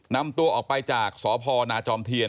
นำตัวออกไปจากสพนาจอมเทียน